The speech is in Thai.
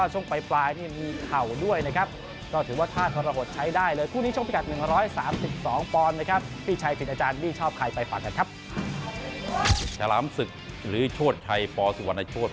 ชาหลามสึกหรือโชว์ทไทยปอศุษย์